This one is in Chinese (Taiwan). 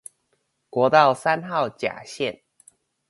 國道三號甲線